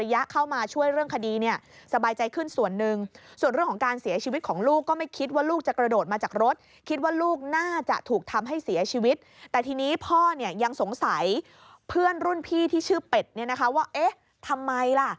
ยังสงสัยเพื่อนรุ่นพี่ที่ชื่อเป็ดว่าทำไมล่ะ